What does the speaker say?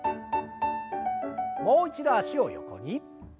もう一度脚を横に。